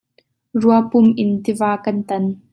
Ruapum in tiva kan tan.